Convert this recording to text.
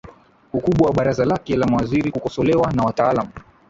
ukubwa wa baraza lake la mawaziri kukosolewa na wataalam